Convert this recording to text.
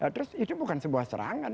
terus itu bukan sebuah serangan